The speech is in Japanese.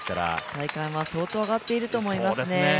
体感は相当上がっていると思いますね。